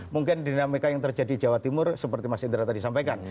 mungkin dinamika yang terjadi di jawa timur seperti mas indra tadi sampaikan